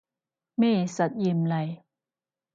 咩實驗嚟